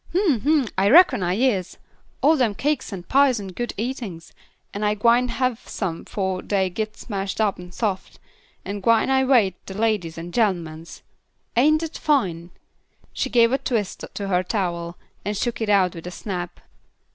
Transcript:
"Hm! Hm! I reckon I is. All dem cakes an' pies an' good eatin's, an' I gwine have some fo' dey gits mashed up an' soft, an' I gwine wait on de ladies and gent'mans. Ain't dat fine?" She gave a twist to her towel and shook it out with a snap.